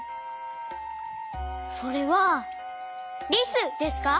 それはリスですか？